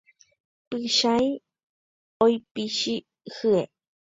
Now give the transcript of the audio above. Pychãi oipichy hye.